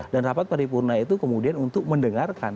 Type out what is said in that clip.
dan rapat paripurna itu kemudian untuk mendengarkan